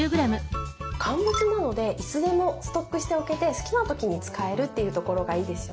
乾物なのでいつでもストックしておけて好きな時に使えるというところがいいですよね。